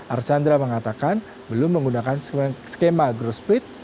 archandra mengatakan belum menggunakan skema growth split